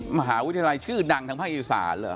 มหาวิทยาลัยชื่อดังทางภาคอีสานเหรอ